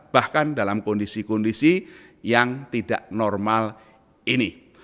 bahkan dalam kondisi kondisi yang tidak normal ini